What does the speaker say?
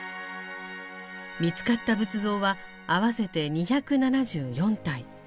見つかった仏像は合わせて２７４体。